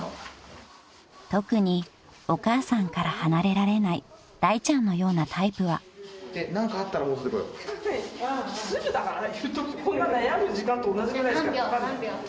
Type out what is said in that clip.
［特にお母さんから離れられないだいちゃんのようなタイプは］悩む時間と同じぐらい。